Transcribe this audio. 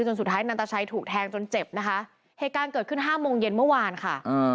สุดท้ายนันตชัยถูกแทงจนเจ็บนะคะเหตุการณ์เกิดขึ้นห้าโมงเย็นเมื่อวานค่ะ